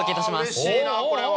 うれしいなこれは。